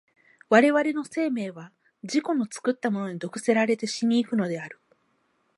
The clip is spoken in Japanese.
我々の生命は自己の作ったものに毒せられて死に行くのである。